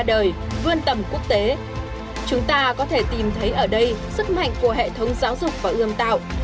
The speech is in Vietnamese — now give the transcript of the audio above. đời vươn tầm quốc tế chúng ta có thể tìm thấy ở đây sức mạnh của hệ thống giáo dục và ươm tạo